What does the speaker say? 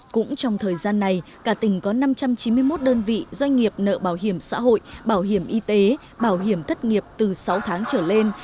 cũng trong thời gian này cả tỉnh có năm trăm chín mươi một đơn vị doanh nghiệp nợ bảo hiểm xã hội bảo hiểm y tế bảo hiểm thất nghiệp từ sáu tháng trở lên